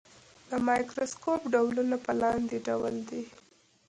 د مایکروسکوپ ډولونه په لاندې ډول دي.